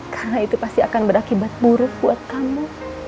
karena itu pasti akan berakibat buruk buat kamu